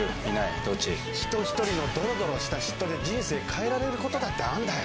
人ひとりのドロドロした嫉妬で人生変えられることだってあんだよ。